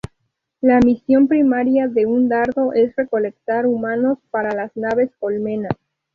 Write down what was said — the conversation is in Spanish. La misión primaria de un dardo es recolectar humanos para las naves colmena.